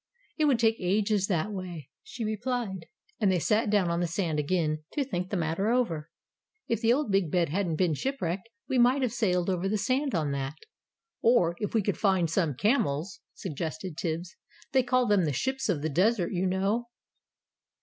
"It would take ages that way," she replied. And they sat down on the sand again to think the matter over. "If the old Big Bed hadn't been shipwrecked, we might have sailed over the sand on that." "Or if we could find some camels," suggested Tibbs; "they call them the 'ships of the desert,' you know."